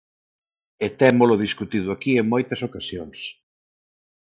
E témolo discutido aquí en moitas ocasións.